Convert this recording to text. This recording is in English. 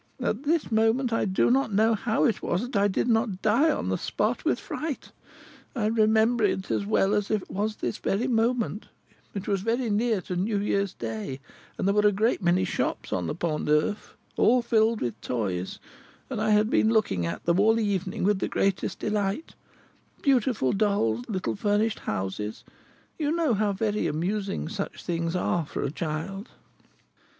At this moment, I do not know how it was that I did not die on the spot with fright. I remember it as well as if it was this very moment, it was very near to New Year's day, and there were a great many shops on the Pont Neuf, all filled with toys, and I had been looking at them all the evening with the greatest delight, beautiful dolls, little furnished houses, you know how very amusing such things are for a child."